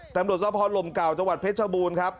ตำรวจซ้อมฮอล์ลมเกลาครับจังหวัดเพศชาวบูนครับ